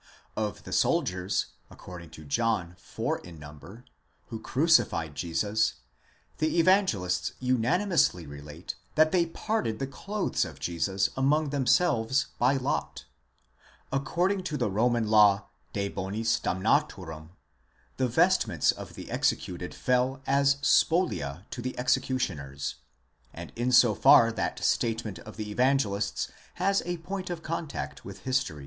Of the soldiers, according to John four in number, who crucified Jesus, the Evangelists unanimously relate that they parted the clothes of Jesus among themselves by lot. According to the Roman law de bonis damnatorum*® the vestments of the executed fell as "δολία to the executioners, and in so far that 26 Paulus and Kuindl, in loc.